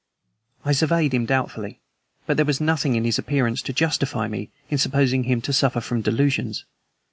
I surveyed him doubtfully, but there was nothing in his appearance to justify me in supposing him to suffer from delusions.